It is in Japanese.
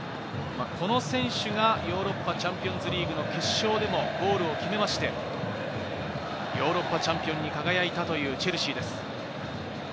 この選手がヨーロッパチャンピオンズリーグの決勝でもゴールを決めまして、ヨーロッパチャンピオンに輝いたというチェルシーです。